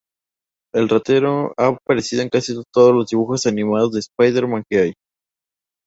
El Ratero ha aparecido en casi todos los dibujos animados de Spider-Man que hay.